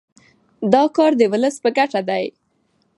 دا کار د ولس په ګټه دی.